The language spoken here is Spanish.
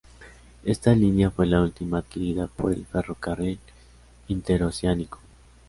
Esta línea fue la última adquirida por el Ferrocarril Interoceánico.